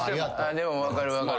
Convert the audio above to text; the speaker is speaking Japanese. でも分かる分かる。